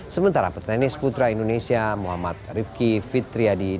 sementara peternis putra indonesia muhammad rifqi fitriyadi